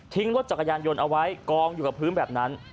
รถจักรยานยนต์เอาไว้กองอยู่กับพื้นแบบนั้น